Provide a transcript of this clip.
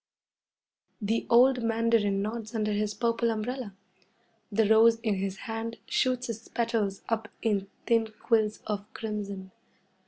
The old mandarin nods under his purple umbrella. The rose in his hand shoots its petals up in thin quills of crimson.